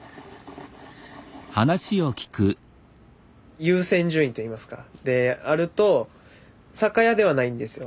優先順位といいますかであると酒屋ではないんですよ